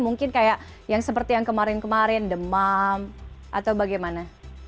mungkin kayak yang seperti yang kemarin kemarin demam atau bagaimana